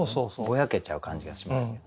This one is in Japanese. ぼやけちゃう感じがしますけど。